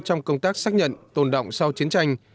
trong công tác xác nhận tồn động sau chiến tranh